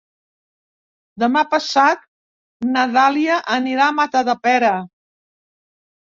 Demà passat na Dàlia anirà a Matadepera.